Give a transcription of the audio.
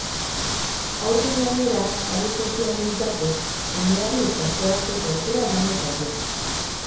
Aurten gainera, sare sozialen bitartez, jendeari partehartzeko aukera emango zaio.